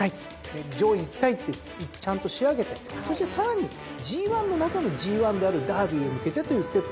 上位いきたいってちゃんと仕上げてそしてさらにＧⅠの中のＧⅠであるダービーへ向けてというステップ。